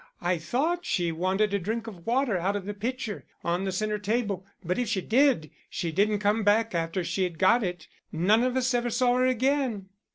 I thought she wanted a drink of water out of the pitcher on the center table, but if she did, she didn't come back after she had got it. None of us ever saw her again."